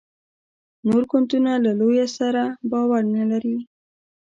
نور ګوندونه له لویه سره باور نه لري.